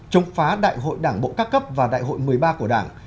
chống phá đại hội đảng bộ các cấp và đại hội một mươi ba của đảng